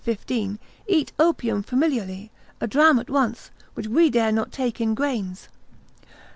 15, eat opium familiarly, a dram at once, which we dare not take in grains.